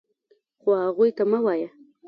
خو هغوی ته مه وایه .